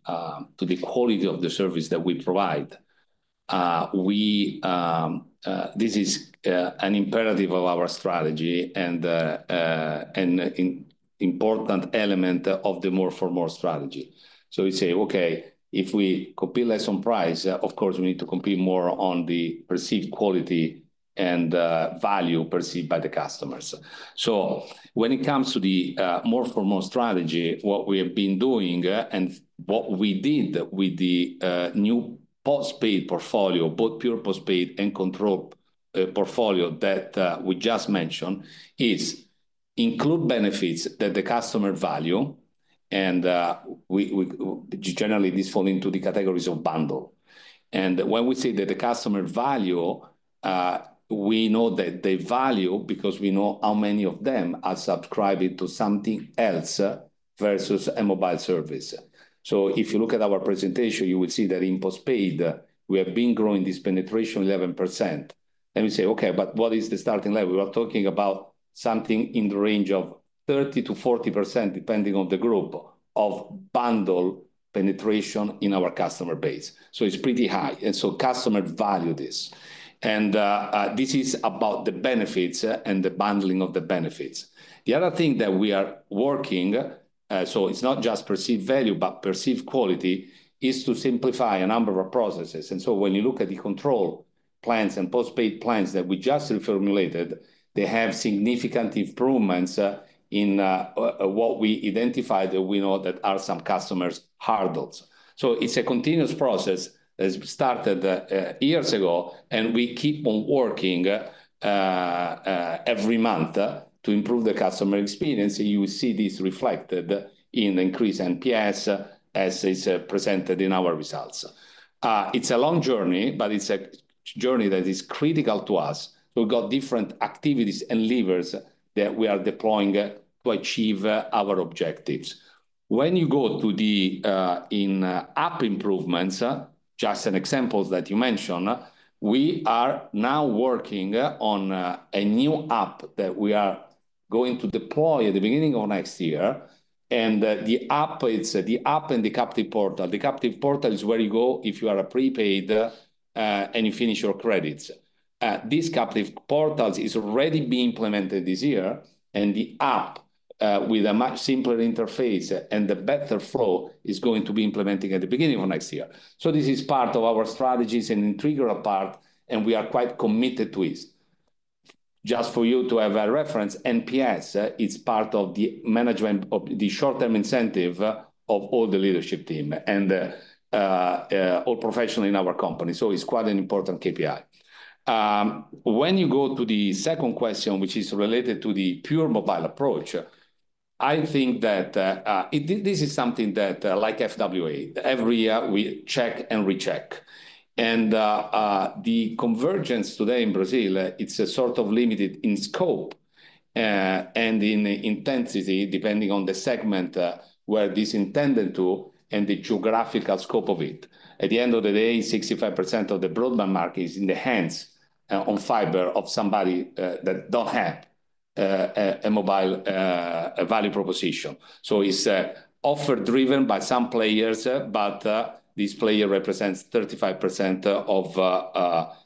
quality of the service that we provide, this is an imperative of our strategy and an important element of the more for more strategy. So we say, okay, if we compete less on price, of course, we need to compete more on the perceived quality and value perceived by the customers. So when it comes to the more for more strategy, what we have been doing and what we did with the new postpaid portfolio, both pure postpaid and control portfolio that we just mentioned, is include benefits that the customer value. And generally, this falls into the categories of bundle. And when we say that the customer value, we know that they value because we know how many of them are subscribing to something else versus a mobile service. If you look at our presentation, you will see that in postpaid, we have been growing this penetration 11%. And we say, okay, but what is the starting level? We are talking about something in the range of 30%-40%, depending on the group, of bundle penetration in our customer base. So it's pretty high. And so customers value this. And this is about the benefits and the bundling of the benefits. The other thing that we are working, so it's not just perceived value, but perceived quality, is to simplify a number of processes. And so when you look at the control plans and postpaid plans that we just reformulated, they have significant improvements in what we identified that we know are some customers' hurdles. So it's a continuous process that started years ago, and we keep on working every month to improve the customer experience. You will see this reflected in the increase in NPS as is presented in our results. It's a long journey, but it's a journey that is critical to us. So we've got different activities and levers that we are deploying to achieve our objectives. When you go to the app improvements, just an example that you mentioned, we are now working on a new app that we are going to deploy at the beginning of next year. The app, it's the app and the captive portal. The captive portal is where you go if you are prepaid and you finish your credits. This captive portal is already being implemented this year. The app with a much simpler interface and the better flow is going to be implemented at the beginning of next year. This is part of our strategies and intrigue our part, and we are quite committed to it. Just for you to have a reference, NPS, it's part of the management of the short-term incentive of all the leadership team and all professionals in our company. So it's quite an important KPI. When you go to the second question, which is related to the pure mobile approach, I think that this is something that, like FWA, every year we check and recheck. The convergence today in Brazil, it's a sort of limited in scope and in intensity depending on the segment where this is intended to and the geographical scope of it. At the end of the day, 65% of the broadband market is in the hands of fiber of somebody that doesn't have a mobile value proposition. It's offer driven by some players, but this player represents 35% of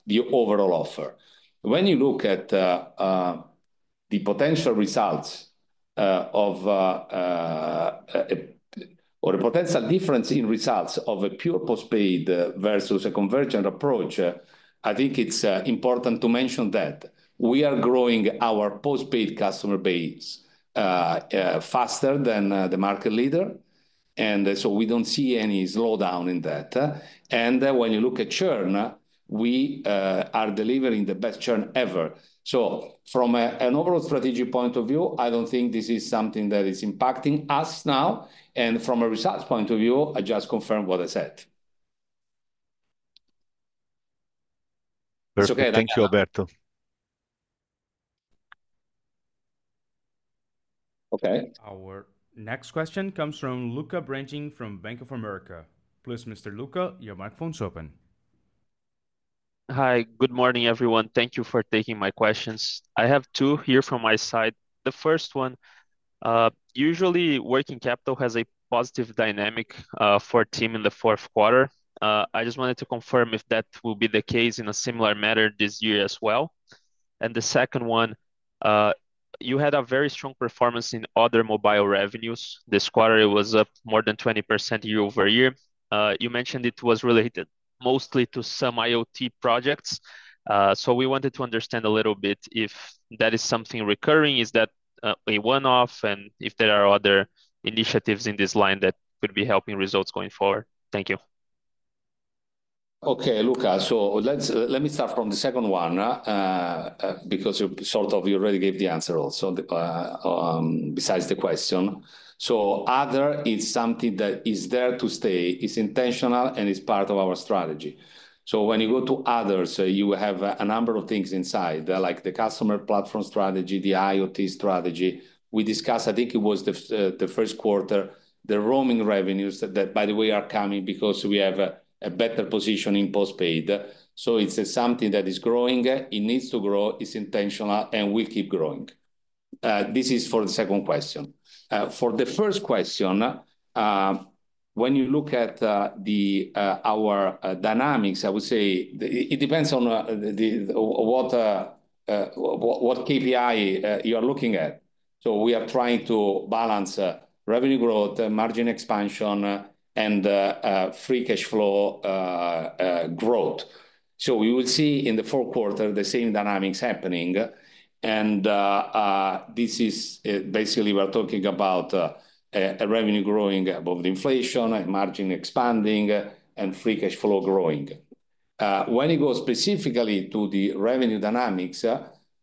the overall offer. When you look at the potential results or the potential difference in results of a pure postpaid versus a convergent approach, I think it's important to mention that we are growing our postpaid customer base faster than the market leader. And so we don't see any slowdown in that. And when you look at churn, we are delivering the best churn ever. So from an overall strategic point of view, I don't think this is something that is impacting us now. And from a results point of view, I just confirmed what I said. Thank you, Alberto. Okay. Our next question comes from Lucca Brendim from Bank of America. Please, Mr. Lucca, your microphone is open. Hi, good morning, everyone. Thank you for taking my questions. I have two here from my side. The first one, usually working capital has a positive dynamic for TIM in the fourth quarter. I just wanted to confirm if that will be the case in a similar manner this year as well. And the second one, you had a very strong performance in other mobile revenues. This quarter, it was up more than 20% year-over-year. You mentioned it was related mostly to some IoT projects. So we wanted to understand a little bit if that is something recurring, is that a one-off, and if there are other initiatives in this line that could be helping results going forward. Thank you. Okay, Lucca, so let me start from the second one because sort of you already gave the answer also besides the question. So other is something that is there to stay. It's intentional and it's part of our strategy. So when you go to others, you have a number of things inside, like the customer platform strategy, the IoT strategy. We discussed, I think it was the first quarter, the roaming revenues that, by the way, are coming because we have a better position in postpaid. So it's something that is growing. It needs to grow. It's intentional and will keep growing. This is for the second question. For the first question, when you look at our dynamics, I would say it depends on what KPI you are looking at. So we are trying to balance revenue growth, margin expansion, and free cash flow growth. So we will see in the fourth quarter the same dynamics happening. And this is basically we're talking about revenue growing above the inflation, margin expanding, and free cash flow growing. When it goes specifically to the revenue dynamics,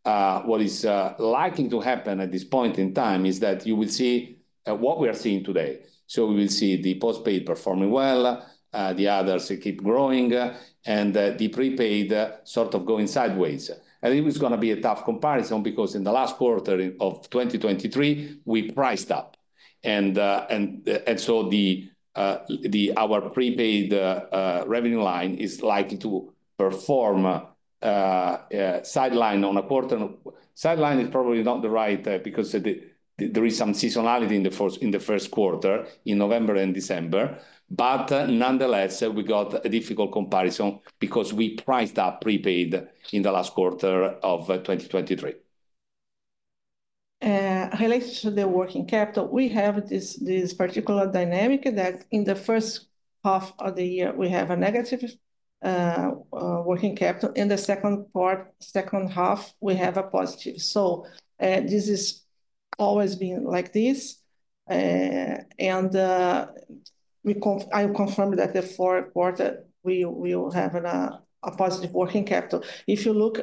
what is likely to happen at this point in time is that you will see what we are seeing today. So we will see the postpaid performing well, the others keep growing, and the prepaid sort of going sideways. And it was going to be a tough comparison because in the last quarter of 2023, we priced up. And so our prepaid revenue line is likely to perform sideways on a quarter. Sideways is probably not the right because there is some seasonality in the first quarter in November and December. But nonetheless, we got a difficult comparison because we priced up prepaid in the last quarter of 2023. Related to the working capital, we have this particular dynamic that in the first half of the year, we have a negative working capital. In the second half, we have a positive. So this has always been like this. And I confirm that the fourth quarter, we will have a positive working capital. If you look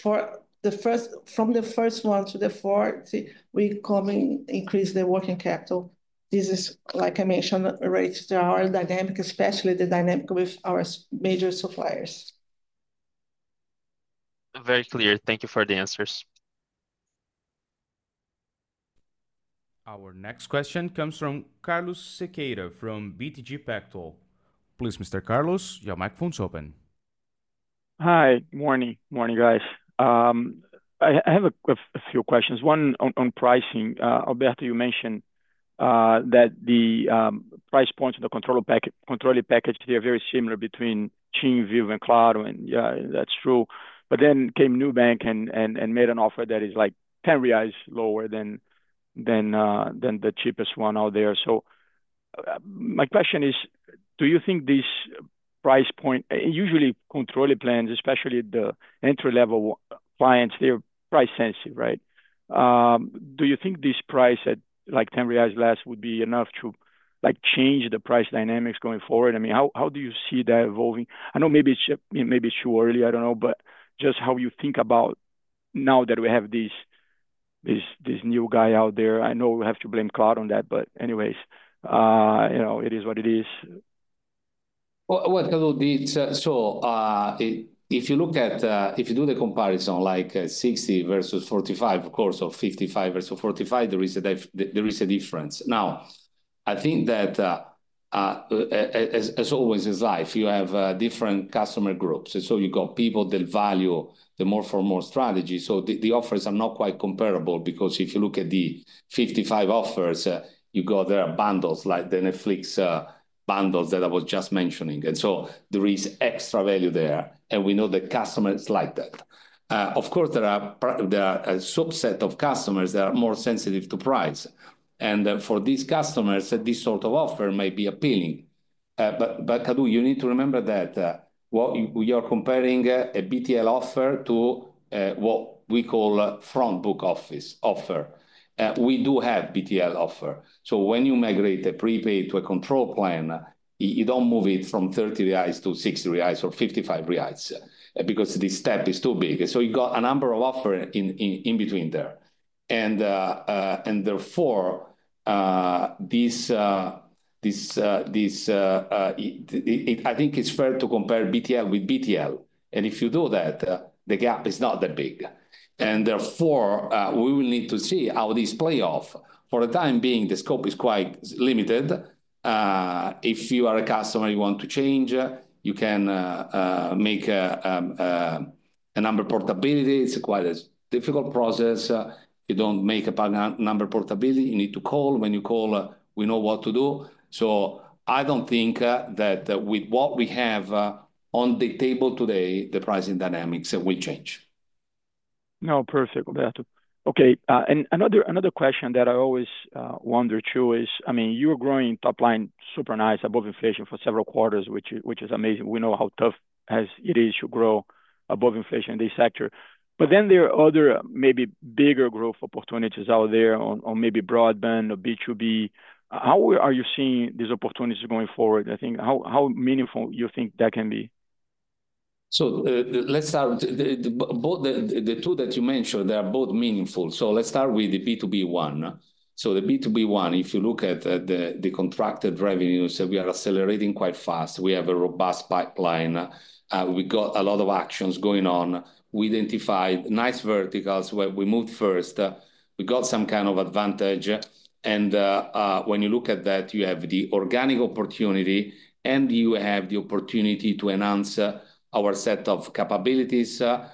from the first one to the fourth, we increase the working capital. This is, like I mentioned, related to our dynamic, especially the dynamic with our major suppliers. Very clear. Thank you for the answers. Our next question comes from Carlos Sequeira from BTG Pactual. Please, Mr. Carlos, your microphone is open. Hi, good morning. Morning, guys. I have a few questions. One on pricing. Alberto, you mentioned that the price points on the control package here are very similar between TIM, Vivo, and Claro. And yeah, that's true. But then came Nubank and made an offer that is like 10 reais lower than the cheapest one out there. So my question is, do you think this price point, usually control plans, especially the entry-level clients, they're price sensitive, right? Do you think this price at like 10 reais less would be enough to change the price dynamics going forward? I mean, how do you see that evolving? I know maybe it's too early, I don't know, but just how you think about now that we have this new guy out there. I know we have to blame Claro on that, but anyways, it is what it is. What I will do is, so if you look at, if you do the comparison like 60 versus 45, of course, or 55 versus 45, there is a difference. Now, I think that as always in life, you have different customer groups, and so you got people that value the more for more strategy, so the offers are not quite comparable because if you look at the 55 offers, you go there are bundles like the Netflix bundles that I was just mentioning, and so there is extra value there, and we know that customers like that. Of course, there are a subset of customers that are more sensitive to price, and for these customers, this sort of offer may be appealing, but you need to remember that we are comparing a BTL offer to what we call front book offer. We do have BTL offer. So when you migrate a prepaid to a control plan, you don't move it from 30 reais to 60 reais or 55 reais because this step is too big. So you got a number of offers in between there. And therefore, I think it's fair to compare BTL with BTL. And if you do that, the gap is not that big. And therefore, we will need to see how this plays off. For the time being, the scope is quite limited. If you are a customer, you want to change, you can make number portability. It's quite a difficult process. You don't make number portability. You need to call. When you call, we know what to do. So I don't think that with what we have on the table today, the pricing dynamics will change. No, perfect, Alberto. Okay. And another question that I always wonder too is, I mean, you're growing top line super nice above inflation for several quarters, which is amazing. We know how tough it is to grow above inflation in this sector. But then there are other maybe bigger growth opportunities out there on maybe broadband or B2B. How are you seeing these opportunities going forward? I think how meaningful you think that can be? So let's start with the two that you mentioned. They are both meaningful. So let's start with the B2B one. So the B2B one, if you look at the contracted revenues, we are accelerating quite fast. We have a robust pipeline. We got a lot of actions going on. We identified nice verticals where we moved first. We got some kind of advantage. And when you look at that, you have the organic opportunity and you have the opportunity to enhance our set of capabilities to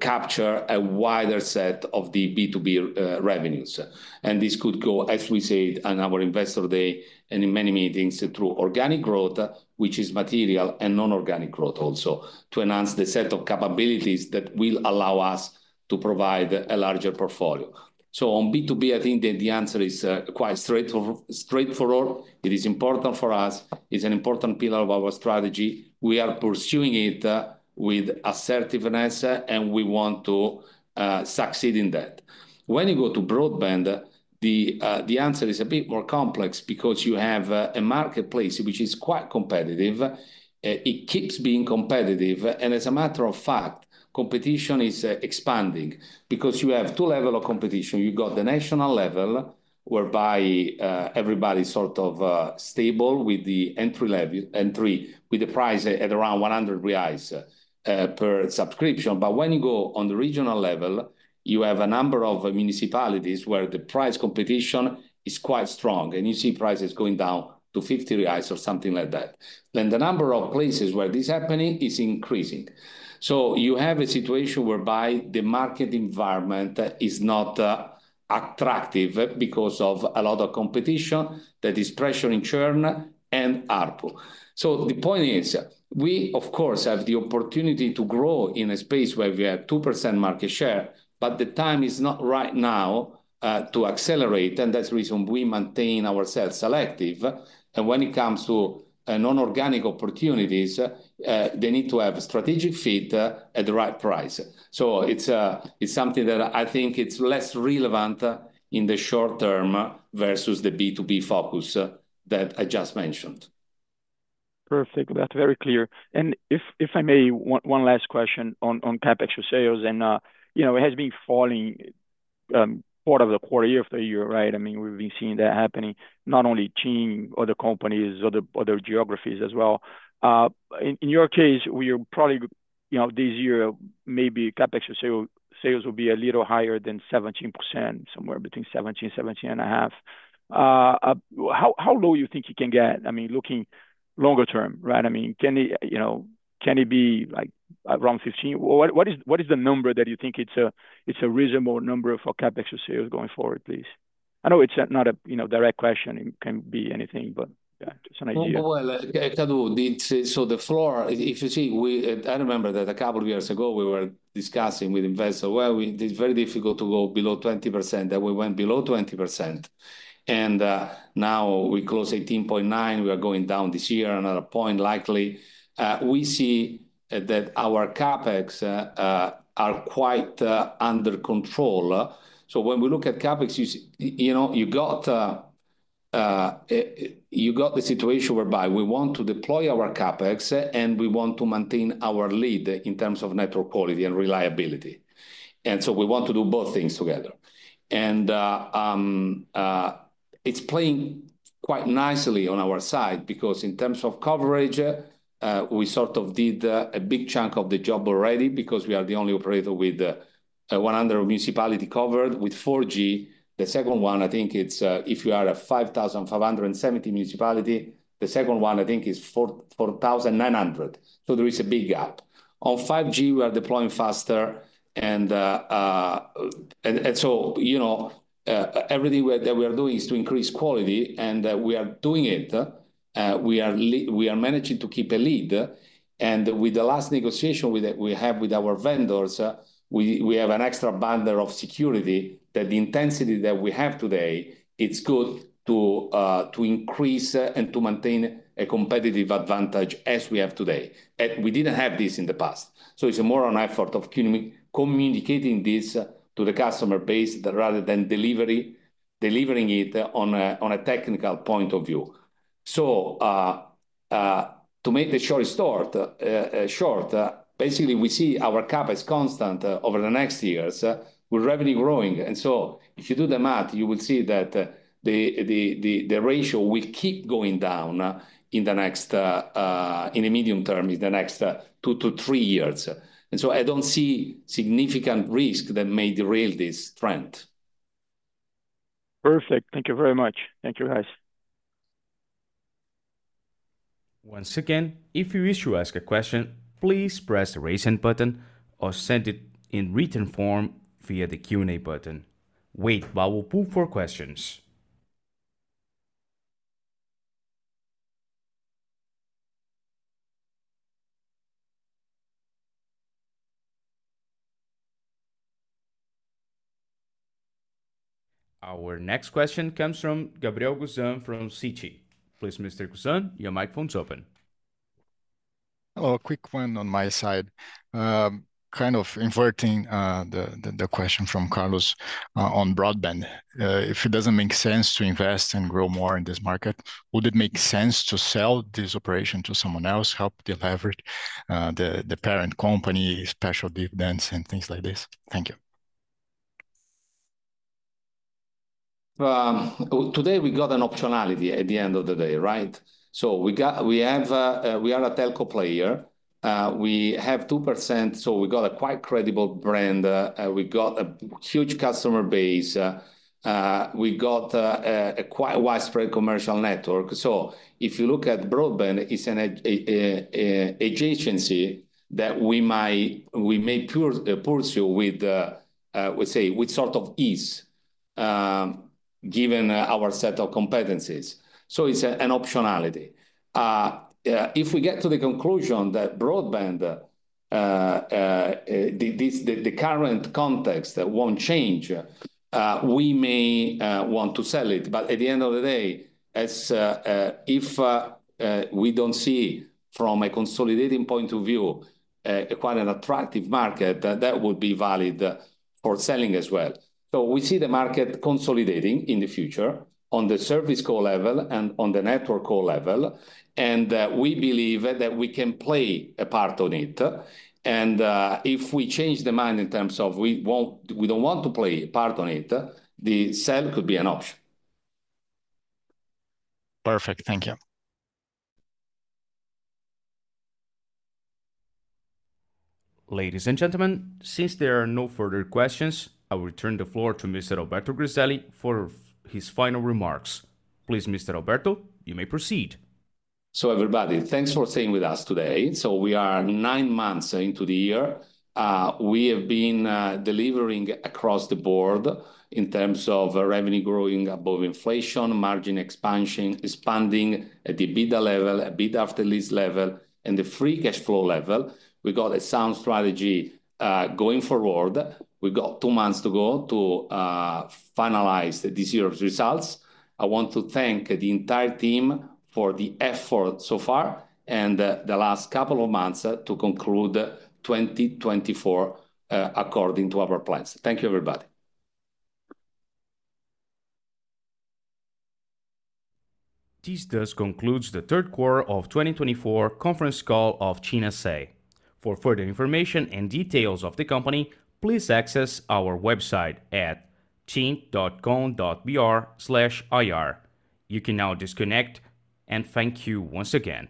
capture a wider set of the B2B revenues. And this could go, as we said on our Investor Day and in many meetings through organic growth, which is material and non-organic growth also to enhance the set of capabilities that will allow us to provide a larger portfolio. So on B2B, I think the answer is quite straightforward. It is important for us. It's an important pillar of our strategy. We are pursuing it with assertiveness and we want to succeed in that. When you go to broadband, the answer is a bit more complex because you have a marketplace which is quite competitive. It keeps being competitive, and as a matter of fact, competition is expanding because you have two levels of competition. You got the national level whereby everybody's sort of stable with the entry level, entry with the price at around 100 reais per subscription, but when you go on the regional level, you have a number of municipalities where the price competition is quite strong, and you see prices going down to 50 reais or something like that, then the number of places where this is happening is increasing. So you have a situation whereby the market environment is not attractive because of a lot of competition that is pressuring churn and ARPU. So the point is, we, of course, have the opportunity to grow in a space where we have 2% market share, but the time is not right now to accelerate. And that's the reason we maintain ourselves selective. And when it comes to non-organic opportunities, they need to have strategic fit at the right price. So it's something that I think is less relevant in the short term versus the B2B focus that I just mentioned. Perfect. That's very clear. And if I may, one last question on CapEx for sales. And it has been falling as a percent of sales quarter after quarter, year after year, right? I mean, we've been seeing that happening, not only TIM, other companies, other geographies as well. In your case, we are probably this year, maybe CapEx for sales will be a little higher than 17%, somewhere between 17% and 17.5%. How low do you think it can get? I mean, looking longer term, right? I mean, can it be around 15%? What is the number that you think it's a reasonable number for CapEx for sales going forward, please? I know it's not a direct question. It can be anything, but just an idea. I remember that a couple of years ago, we were discussing with investors, well, it's very difficult to go below 20%. We went below 20%. Now we close 18.9%. We are going down this year, another point likely. We see that our CapEx are quite under control. When we look at CapEx, you got the situation whereby we want to deploy our CapEx and we want to maintain our lead in terms of network quality and reliability. We want to do both things together. It's playing quite nicely on our side because in terms of coverage, we sort of did a big chunk of the job already because we are the only operator with 100% of municipalities covered with 4G. The second one, I think, is 4,900 out of 5,570 municipalities. There is a big gap. On 5G, we are deploying faster. Everything that we are doing is to increase quality. We are doing it. We are managing to keep a lead. With the last negotiation we have with our vendors, we have an extra bundle of security that the intensity that we have today. It's good to increase and to maintain a competitive advantage as we have today. We didn't have this in the past. It's more an effort of communicating this to the customer base rather than delivering it on a technical point of view. To make a long story short, basically, we see our CapEx constant over the next years with revenue growing. If you do the math, you will see that the ratio will keep going down in the medium term, in the next two to three years. I don't see significant risk that may derail this trend. Perfect. Thank you very much. Thank you, guys. Once again, if you wish to ask a question, please press the raise hand button or send it in written form via the Q&A button. Wait while we poll for questions. Our next question comes from Gabriel Gusan from Citi. Please, Mr. Gusan, your microphone is open. Hello, a quick one on my side. Kind of inverting the question from Carlos on broadband. If it doesn't make sense to invest and grow more in this market, would it make sense to sell this operation to someone else, help deliver the parent company, special dividends, and things like this? Thank you. Today, we got an optionality at the end of the day, right? We are a telco player. We have 2%, so we got quite a credible brand. We got a huge customer base. We got quite a widespread commercial network. If you look at broadband, it's an adjacency that we may pursue, we say, with sort of ease given our set of competencies. It's an optionality. If we get to the conclusion that broadband, the current context won't change, we may want to sell it. But at the end of the day, if we don't see from a consolidation point of view quite an attractive market, that would be valid for selling as well. We see the market consolidating in the future on the service core level and on the network core level, and we believe that we can play a part in it. If we change the mind in terms of we don't want to play a part on it, the sale could be an option. Perfect. Thank you. Ladies and gentlemen, since there are no further questions, I will turn the floor to Mr. Alberto Griselli for his final remarks. Please, Mr. Alberto, you may proceed. Everybody, thanks for staying with us today. We are nine months into the year. We have been delivering across the board in terms of revenue growing above inflation, margin expanding at the EBITDA level, EBITDA after lease level, and the free cash flow level. We got a sound strategy going forward. We got two months to go to finalize this year's results. I want to thank the entire team for the effort so far and the last couple of months to conclude 2024 according to our plans. Thank you, everybody. This does conclude the third quarter of 2024 conference call of TIM S.A. For further information and details of the company, please access our website at tim.com.br/ir. You can now disconnect and thank you once again.